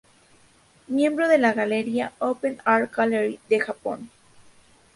Miembro de la galería open-art Gallery de Japón.